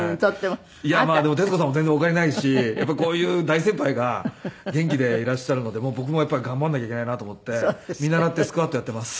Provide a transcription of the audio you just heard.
いやまあでも徹子さんも全然お変わりないしやっぱりこういう大先輩が元気でいらっしゃるので僕もやっぱり頑張らなきゃいけないなと思って見習ってスクワットやっています。